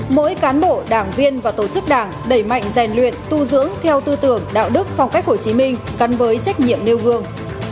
mỗi cán bộ đảng viên và tổ chức đảng đẩy mạnh rèn luyện tu dưỡng theo tư tưởng đạo đức phong cách hồ chí minh gắn với trách nhiệm nêu gương